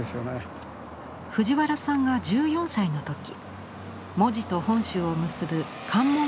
藤原さんが１４歳の時門司と本州を結ぶ関門